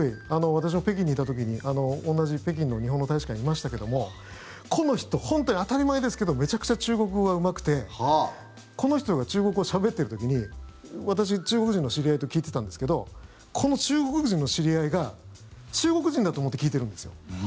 私も北京にいた時に、同じ北京の日本の大使館いましたけどもこの人、本当に当たり前ですけどめちゃくちゃ中国語がうまくてこの人が中国語をしゃべってる時に私、中国人の知り合いと聞いてたんですけどこの中国人の知り合いが中国人だと思って聞いてるんですよ。